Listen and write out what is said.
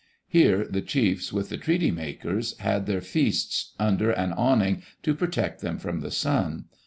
Here the chiefs, with the treaty makers, had their feasts, under an awning to protect them from the sun.